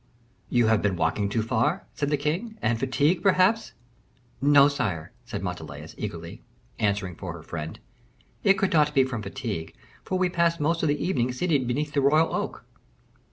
"You have been walking too far," said the king; "and fatigue, perhaps " "No, sire," said Montalais, eagerly, answering for her friend, "it could not be from fatigue, for we passed most of the evening seated beneath the royal oak."